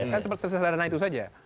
kan seserana itu saja